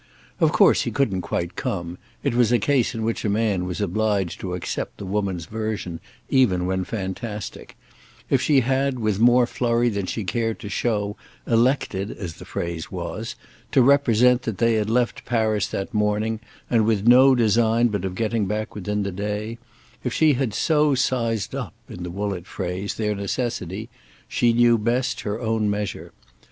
Of course he couldn't quite come; it was a case in which a man was obliged to accept the woman's version, even when fantastic; if she had, with more flurry than she cared to show, elected, as the phrase was, to represent that they had left Paris that morning, and with no design but of getting back within the day—if she had so sized up, in the Woollett phrase, their necessity, she knew best her own measure.